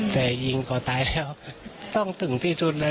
แต่ยิงก่อตายแล้วต้องถึงที่สุดเลย